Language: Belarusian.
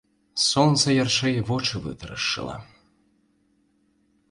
Сонца ярчэй вочы вытарашчыла.